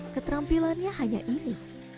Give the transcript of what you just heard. keterampilannya hanya ini